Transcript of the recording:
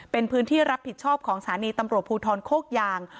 เป็นพื้นที่รับผิดชอบของสถานีตำรวจภูทรโคกยาง